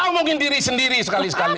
coba omongin diri sendiri sekali sekali